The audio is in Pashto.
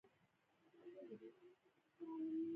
ویل کیږي چې دلته شاوخوا څلویښت صحابه کرام شهیدان شوي.